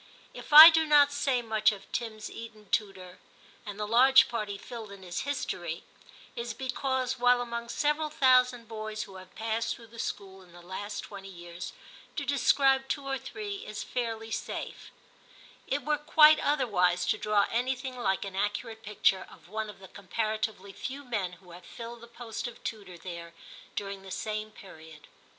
If I do not say much of Tim's Eton tutor, and the large part he filled in his history, it is because, while among several thousand boys who have passed through the school in the last twenty years, to describe two or three is fairly safe, it were quite otherwise to draw anything like an accurate picture of one of the comparatively few men who have filled the post of tutor there during the same period.